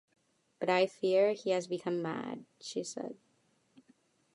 "But I fear he has become mad," she said.